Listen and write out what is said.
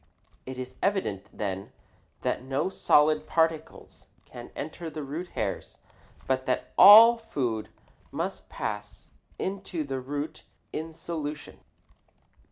It is evident, then, that no solid particles can enter the root hairs, but that all food must pass into the root in solution.